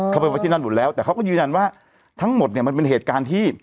ไปไว้ที่นั่นหมดแล้วแต่เขาก็ยืนยันว่าทั้งหมดเนี่ยมันเป็นเหตุการณ์ที่